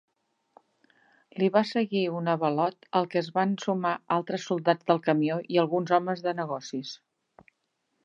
Li va seguir un avalot al que es van sumar altres soldats del camió i alguns homes de negocis.